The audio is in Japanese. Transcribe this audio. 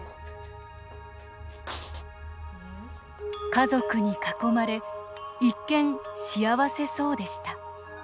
家族に囲まれ一見、幸せそうでした。